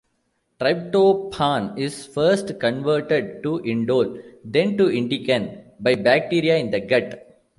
Tryptophan is first converted to indole, then to indican by bacteria in the gut.